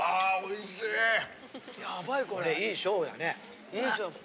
いい勝負。